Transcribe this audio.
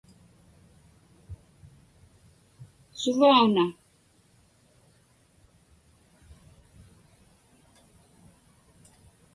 Suvauna?